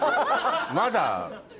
まだ。